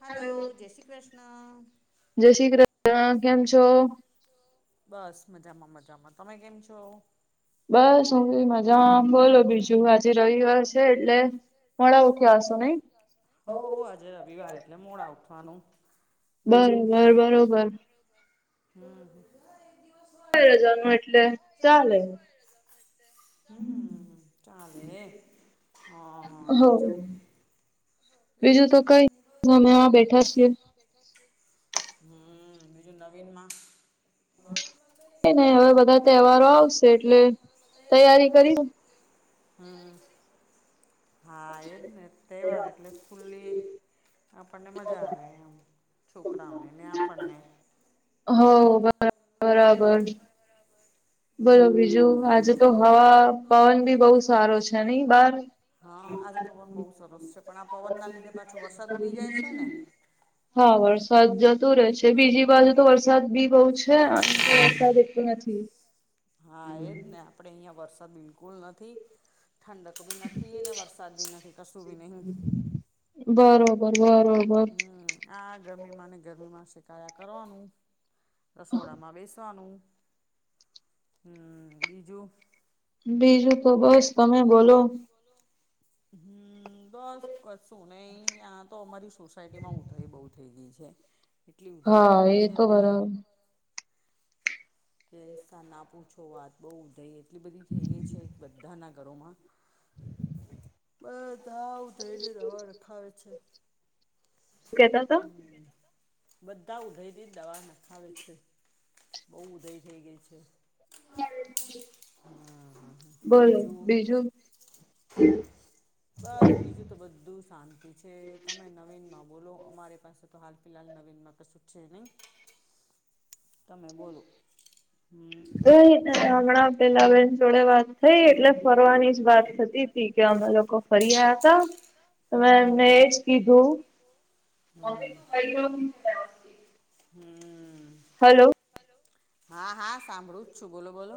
Hello જય શ્રી કૃષ્ણ. જય શ્રી કૃષ્ણ કેમ છો? બસ મજામાં મજામાં તમે કેમ છો. બસ હું બ મજામ બોલો બીજું આજે રવિવાર છે એટલે. મળો ઉઠીઓ હસે નહી. હો આજે રવિવાર એટલે મોડા ઉઠવાનું. બીજું બરોબર બરોબર. હ [unintelligible] રજા નું એટલે ચાલે. હમ ચાલે હા હા હો બીજું. બીજું તો કઈ નઈ, અમે આ બેઠા છીએ. [unintelligible] હમ બીજું નવીન માં. નહી હવે બધા તહેવારો આવશે એટલે તૈયારી કરવી. હમ. હા એજ ને તહે વાર એટલે સ્કૂલ્લી. આપણને મજા આવે એમ છોકરાઓને ને આપણને. હો બ બરાબર. બોલો હમ બીજું આજે તો હવા પવન બી બહુ સારો છે નઈ બાર. હા આજે પવન બહુ સરસ છે પણ આ પવન ના લીધે પાછો વરસાદ ઉડી જાય છે ને હા વરસાદ જતો રહેશે બીજી બાજુ તો વરસાદ બી બહુ છે અને વરસાદ એટલો નથી. [unintelligible] હા એજ ને આપડે અહંયા વરસાદ બિલકુલ નથી. ઠંડક બી નથી ને વરસાદ બી નથી કશું બી નહી. બરોબર બરોબર. હમ આ ગરમી માં ને ગરમીમાં શેકાયા કરવાનું રસોડામાં બેસવાનું હમ બીજું. બીજું તો બસ તમે બોલો. હમ. બસ કશું નને તયાં તો અમારી સોસાયટી માં ઉઊધાઈ બહુ થઇ ગઈ છે. કેટલી ઉધરી હા થઈ ગઈ એ છે તો અને. બરાબર કે ના પૂછો વાત બહુધય એટલી બધી થઈ ગઈ છે બધાના ઘરોમાં. બસ હા આવું ધૈર્ય દવા રખાવે છે. કેતા હતા હમ બધા ઉધયથી દવા નખાવે છે. બઉ ઉદય થઈ ગય છે. હમ હ બીજું. હ [unintelligible] બસ બીજું તો બધું શાંતિ છે તમે નવીન માં બોલો અમારી પાસે તો હાલ ફિહાલ નવીન માં. કસુ કછે નહી. [inaudible] તમે બોલો હ. હમણાં પેલા બેન જોડે વાત થઈ એટલે ફરવાની જ વાત થતી. થી કે અમે લોકો ફરી આયા ત. ત એમને એજ હમ કીધું. હમ. હલો. હ હા હા સાંભળું જ છું બોલો બોલો.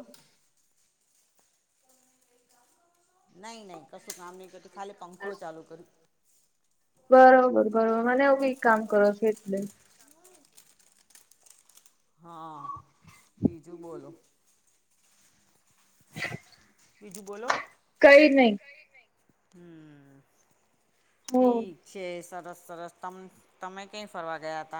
નહીં નહીં કશું કામ નહીં કરું ખાલી પંખો ચાલુ કર્યું બરોબર બરોબર મને આવું કઈ કામ કરો છ એટલે. હા બીજું બોલો. હ. [unintelligible] બીજું બોલો હમ. હું ઠીક છે સરસ સરસ ત તમે કઈ ફરવા ગયા ત.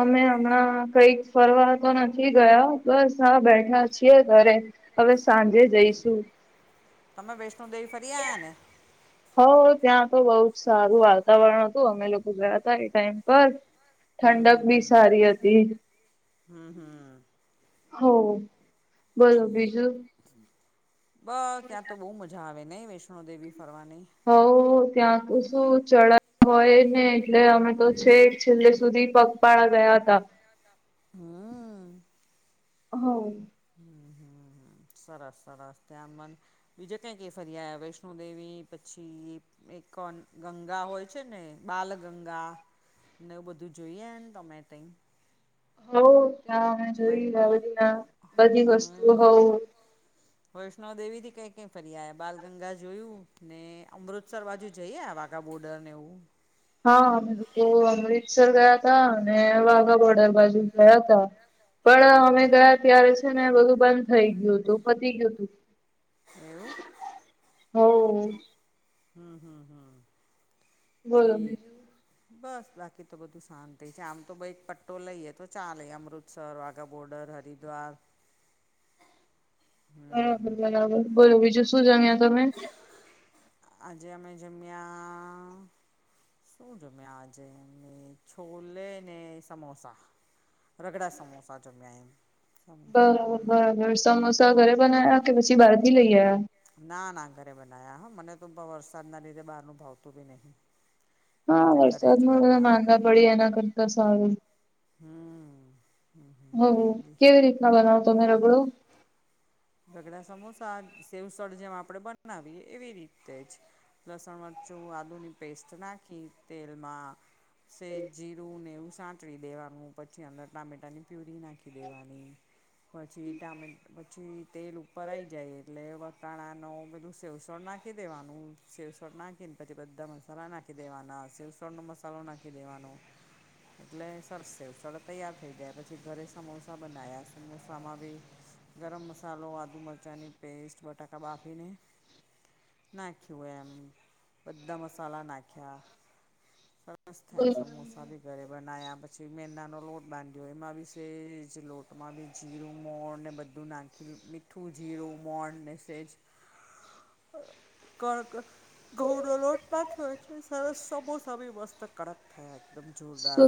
અમે હમણાં કઈક ફરવા તો નથી ગયા બસ આ બેઠા છીએ ઘરે. હવે સાંજે જઈશું. તમે વૈષ્ણોદેવી ફરી આ્યા ને [inaudible] હો ત્યાં તો બહુ જ સારું વાતાવરણ હતું અમે લોકો ગયા ત એ ટાઈમ પર ઠંડક બી સારી હતી હતી હમ હમ હો બોલો બીજું બસ ત્યાં તો બહ મજા જ આવે નહીં વૈષ્ણોદેવી ફરવાની હ ત્યાં તો શું ચડાવ હોય ને એટલે અમે તો છે છેલ્લે સુધી પ પાળ જયા આ હા. હ હમ હમ હમ સરસ સરસ ત્યાં મન બીજા કંક ફર્યા વૈષ્ણોદેવી પછી. એક ગંગા હોય છે ને બાલ ગંગા નેવું બધું જોઈએને ટોમેટો હો ત્યાં અમે વૈ જોય બધી ના બધી વસ્તુ હોઉ. વૈષ્વ દેવી થી કઈ કઈ ફરી આયા બાલગંગા જોયું ને અમૃતસર બાજુ જઈએ વા આકા બોર્ડર ને એવુ હા અમે લોકો અમૃતસર ગયા હતાા અને વાઘા બોર્ડર બાજુ ગયા તા પણ હા અમે હા ગયા ત્યારે છે ને બધું બંધ થઈ ગયું હતું પતી ગયું તું એવુ હ. હમ હમ હા બોલો ઠીક બીજું બસ બાકી તો બધું શાંતિ છે આમ તો બાઈક પટ્ટો લઈએ તો ચાલે Amritsar Wagah border Haridwar હમ બરાબર બરાબર બોલો બીજું શું જણ્યા તમે. આજે અમે જઝમ્યા. શું જોમે આજેને છોલે ને સમોસા રગડા સમોસસા જમ્યાય બરાબર બરાબર સમોસા ઘરે બના્યા કે પછી બહાર થી લઈ આયા ના ના ઘરે બના્યા હા મને તો વરસાદ ના લીધે બહાર ન ભાવતું બી નહી. હા વરસાદમાં માંદા પડી એના કરતા સારું હમ હ કેવી રીતના બનાવતોમે રગડો રગડા સમોસા સેવઊસળ જેમ આપણે બનાવીએ એવી રીતે જ લસણ મરચું આદુની પેસ્ટ નાખી તેલમાં સે જીરું નેવું સાત ળી દેવાનું પછી અંદર ટામેટાની પ્યુરી નાખી દેવાની. પછી ટમેટુ પછી તેલ ઉપર આવી જાય એટલે વટાણાનો પેલું સેવઊસળ નાખી દેવાનું સેવઊસળ નાખી ને પછી બધા મસાલા નાખી દેવાના સેવઊસળ નો મસાલો નાખી દેવાનો એટલે સડસે સડ તૈયાર થઈ ગયા પછી ઘરે સમોસા બનાયા સમોસામાં બી ગરમ મસાલો આદુ મરચાંની પેસ્ટ બટાકા બાફીને નાખ્યું એમ બધા મસાલા નાખ્યા સરસ થાય સમોસા બી ઘરે બનાવ્યા પછી મેદાંનો લોટ બાંધ્યો એમાં બી સેજ લોટમાં બી જીરું મોણ ને બધું નાખી મીઠું જીરું મોણ ને સેજ કણક ઘઉંનોલોટ નાખ્યો હોય છે, સરસ સમોસા ભી મસ્ત કડક હૈ એકદમ જોરદાર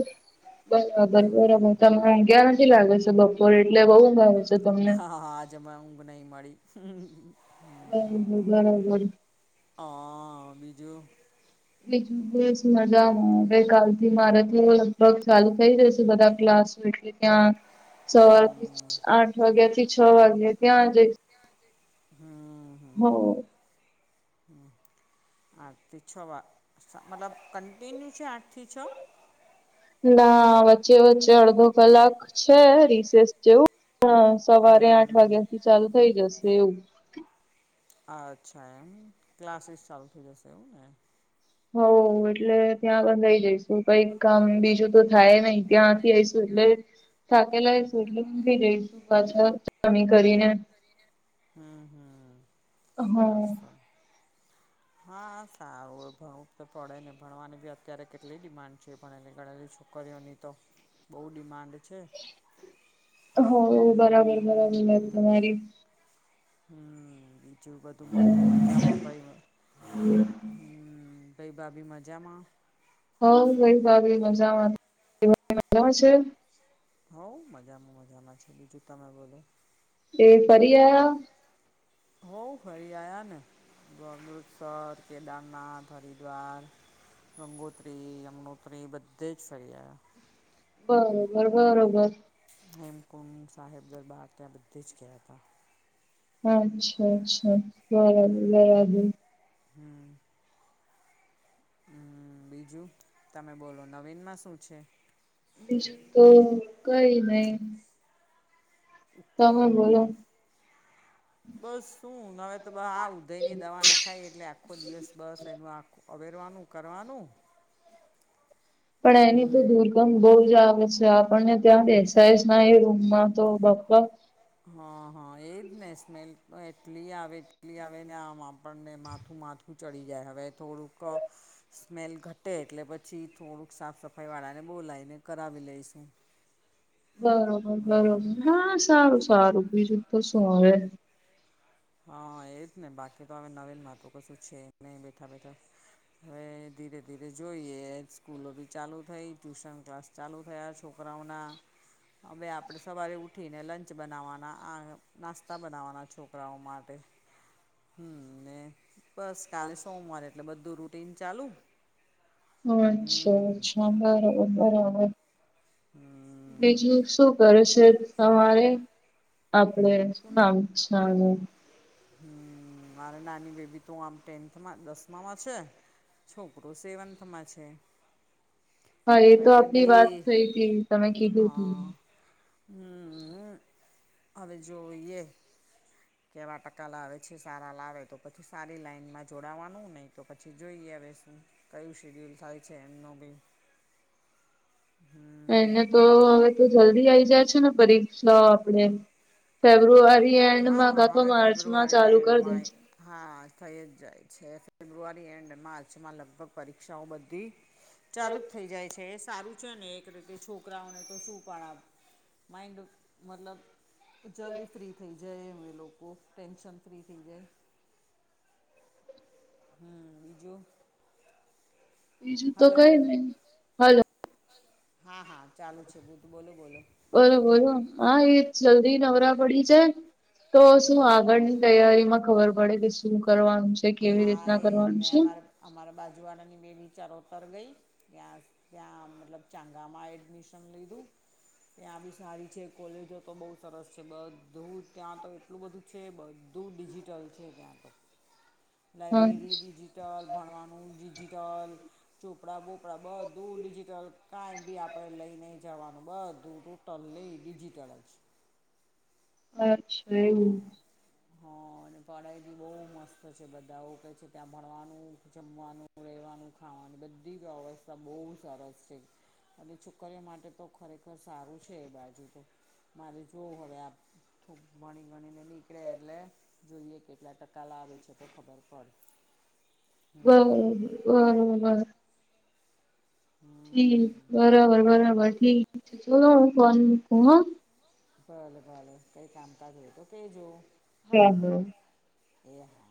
હમ્મ. તમને ઉંઘ્યા નથી લાગે છે બપોરે એટલે બહુ ઉંધ આવે છે. તમને. હા હા હા આજે મને ઊંઘ નહિં મળી. હમ્મ, હમ્મ. બરોબર બરોબર હાઆ, બીજું બીજું બસ મજામાં હવે કાલ થી મારેથી લગભગ ચાલુ થઈ જશે બધા ક્લાસ તો એટલે કે ત્યાં સવારથી હમ આઠ વાગ્યા થી છ વાગ્યા ત્યાં જઈશ હમ્મ, હો હમ્મ. હા આઠથી છવા મતલબ કન્ટિન્યુ છે આઠથી છ? ના વચ્ચે વચ્ચે અડધો કલાક છે રિસેસ જેવું પણ સવારે આઠ હમ વાગ્યા થી ચાલુ થઈ જશે એવું. અચ્છા એમ ક્લાસીસ ચાલુ થઈ જશે એવું ને? હઓ એટલે ત્યાં બંધાઈ જઈશું કંઈક કામ બીજું તો થાય નહી. ત્યાંથી આઈશું એટલે થાકેલા સું એટલે ઊંખી જઈશું પાછળ કામ ઈ કરીને. હમ્મ, હમ્મ સરસ હા સર હા સારું હોય ભણવું તો પડે ને ભણવાની બી અત્યારે કેટલી ડિમાન્ડ છે. ભણેલી ગણેલી છોકરીઓની તો બહુ ડિમાન્ડ છે. હો, બરાબર બરાબર મેન હમ તમારી હમ્મ, બીજુ બધુ મજા ભાઈમાં હમ્મ. કઈ ભાભી મજામાં? હઓ ભાઈ ભાભી મજામાં [inaudible] છે. હઉ મજામાં મજામાં છે બીજું તમે બોલો. એ ફરી આયા? હોવ ફરી આયા ને. અમૃતસર, કેદારનાથ, હરિદ્વાર ગંગોત્રી, યમનોત્રી બધે જ ફરી આયા. બરોબર, બરોબર. હેમકુંડ સાહેબ દરબાર ત્યાં બધે જ ગયા તા. અચ્છા અચ્છા બરાબર બરાબર. હમ્મ. હમ્મ બીજું તમે બોલો નવીનમાં શું છે? બીજુ તો કંઈ નહી. બોલો. હમ્મ. બસ શું હવે તો બ આ ઉદયની દવા નખાય એટલે આખો દિવસ બસ એનું આખો અવેરવાનું કરવાનું પણ એની તો હમ દુરકામ બહુ જ આવે છે આપણને ત્યાં બેસાયજ એ રૂમમાં તો બપ્પા. હા હા એજ ને સ્મેલ તો એટલી આવે એટલી આવે ને આમ આપણને માથું માથ થું ચડી જાય હવે થોડુંક સ્મેલ ઘટે એટલે પછી થોડુંક સાફ સફાઈ વાળાને બોલાવીને કરાવી લઈશું. બરોબર બરોબર હા સારું સારું બીજું તો શું હવે હા એજ ને બાકી તો હવે નવીન માર ટતો કશું છે નહીં બેઠા બેઠા હવે ધીરે ધીરે જોઈએ સ્કૂલો બી ચાલુ થઈ ટ્યુશન ક્લાસ ચાલુ થયા છોકરાઓના હવે આપડે સવારે ઉઠીને લંચ બનાવવાના આ નાસ્તા બનાવ વાના છો. પડાવ માટે હમ ને બસ કાલે સોમવારે એટલે બધું રૂટીન ચાલુ! અચ્છા હમ અચ્છા બરાબર બરાબર. હમ્મ. બીજું શું કરે છે તમારે? આપડે શું નામ છે આનું હમ્મ મારે નાની બેબી તો આમ ટેન્થમાં દસમામાં છે. છોકરો સેવન્થમાં છે. હા એ હવે તો એટલે બે આપડી વાત થઈ હતી તમે કીધું તું. હા હમ હવે જોઈએ કેવા ટકા લાવે છે સારા લાવે તો પછી સારી લાઈનમાં જોડાવાનું નહી તો પછી જોઈએ આવે શું કયું શેડ્યુલ થાય છે એમનું બી હમ્મ. એને તો હવે તો જલ્દી આવી જાય છે ને પરીક્ષા આપણેે. ફેબ્રુઆરી હા એન્ડમાં હા કાં તો હવે માર્ચમાં ફેબ્રુઆરીના ચાલુ કરી દે એન્ડમાં છે. હા થઈ જ જાય છે ફેબ્રુઆરી એન્ડ માર્ચમાં લગભગ પરીક્ષાઓ બધી ચાલુ જ થઈ જાય છે એ સારું છે ને એક રીતે છોકરાઓને તો શું પણાવ માઈન્ડ મતલબ જલ્દી જય મે લોકો કો ટેન્શન ફ્રી થય જાય. હમ્મ બીજું. બીજું તો હલો કઈ નહી. હલો હા હા ચાલુ છે બુદ્ધુ બોલો બોલો. બરોબર હા એ જલ્દી નવરા પડી ગઈ. તો શું હા આગળની તૈયારીમાં ખબર પડે કે શું કરવાનું છે. કેવી હા રીતના એ કરવાનું ને છે. અમારા અમારા બાજુવાળાની બે બિચારોતર ગઈ. ત્યા ત્યાં મતલબ ચાંગામાં એડમિશન લીધું ત્યાં બી સારી છે કોલેજો તો બહુ સરસ છે બધું ત્યાં તો એટલું બધું છે બધું ડિજિટલ છે ત્યાં તો. હા લાબ્રેરી ડિજિટલ, ભણવાનું ડિજિટલ ચોપડાં બોપડાં બધું ડિજિટલ કાઈ બી આપણે લઈ નહી જવાનું બધું ટલલે [unintelligible] એ ડીજીટલ છે. અચ્છા એવુ. હા હા અને પઢાઈ બી બહુ મસ્ત છે બધા કે છે ત્યાં ભણવાનું, જમવાનું રેવાનું, ખાવાનું બધી વ્યવસ્થા બહુ સરસ છે. અને છોકરીઓ માટે તો ખરેખર સારું છે એ બાજુ તો મારે જુવઓ હવે આપ ખૂબ ભણી ગણીને નીકળે એટલે જોઈએ કેટલા ટકા લાવે છે તો ખબર પડે. હમ બરાબર બરોબર. ઠીક હમ બરાબર બરાબર ઠીક છે ફોન મૂકું હા. ભલે ભલે કઈ કામકાજ હોય તો કે જો. [unintelligible] એહા.